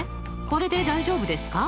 これで大丈夫ですか？